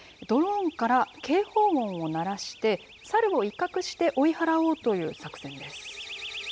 ドローンから警報音を鳴らして、サルを威嚇して追い払おうという作戦です。